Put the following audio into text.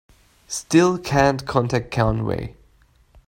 Still can't contact Conway.